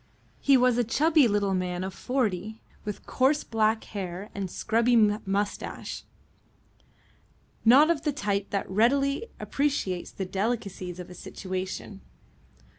He was a chubby little man of forty, with coarse black hair and scrubby moustache, not of the type that readily appreciates the delicacies of a situation.